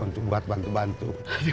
untuk buat bantu bantu